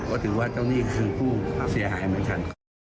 ก็ถือว่าเจ้าหนี้คือผู้เสียหายเหมือนกัน